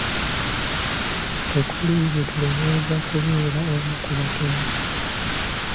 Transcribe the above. Tekuli gwe tulowooza kubeera omu ku batemu.